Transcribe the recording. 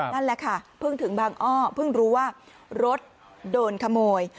นั่นแหละค่ะเพิ่งถึงบางอ้อเพิ่งรู้ว่ารถโดนขโมย